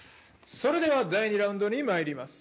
それでは第２ラウンドにまいります